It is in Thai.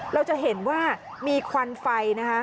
เราจะเห็นว่ามีควันไฟนะคะ